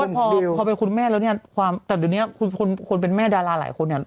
พอเป็นคุณแม่แล้วเนี่ยความแต่เดี๋ยวนี้คนเป็นแม่ดาราหลายคนเนี่ย